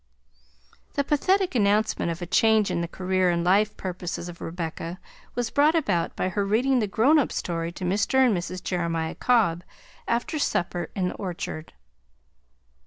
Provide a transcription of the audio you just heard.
The pathetic announcement of a change in the career and life purposes of Rebecca was brought about by her reading the grown up story to Mr. and Mrs. Jeremiah Cobb after supper in the orchard.